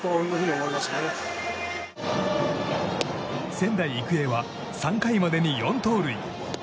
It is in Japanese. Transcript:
仙台育英は３回までに４盗塁。